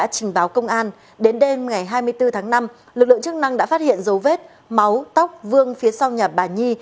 trình báo công an đến đêm ngày hai mươi bốn tháng năm lực lượng chức năng đã phát hiện dấu vết máu tóc vương phía sau nhà bà nhi